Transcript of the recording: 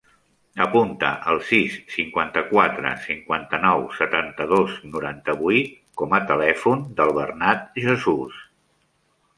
Apunta el sis, cinquanta-quatre, cinquanta-nou, setanta-dos, noranta-vuit com a telèfon del Bernat Jesus.